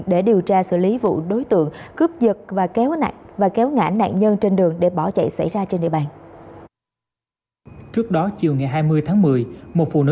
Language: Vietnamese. để điều tra xử lý vụ đối tượng cướp dật và kéo ngã nạn nhân